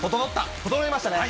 整いましたね。